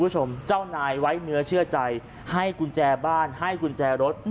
เจ้านายไว้เนื้อเชื่อใจให้กุญแจบ้านให้กุญแจรถ